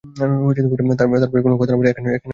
তার পরে কোনো কথা না বলে একখানা চিঠি দিলে রমেনের হাতে।